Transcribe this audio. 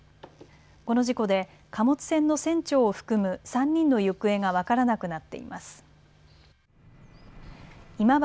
この事故で貨物船の船長を含む３人の行方が分からなくなっています。